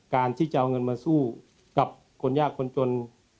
การที่จะเอาเงินมาสู้กับคนยากคนจน